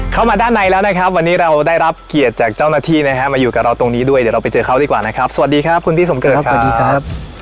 เข้ามาด้านในแล้วนะครับวันนี้เราได้รับเกียรติจากเจ้าหน้าที่นะฮะมาอยู่กับเราตรงนี้ด้วยเดี๋ยวเราไปเจอเขาดีกว่านะครับสวัสดีครับคุณพี่สมเกิดครับสวัสดีครับ